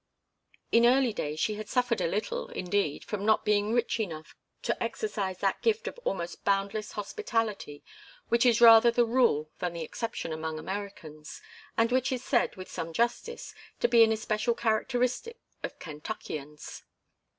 In early days she had suffered a little, indeed, from not being rich enough to exercise that gift of almost boundless hospitality which is rather the rule than the exception among Americans, and which is said, with some justice, to be an especial characteristic of Kentuckians.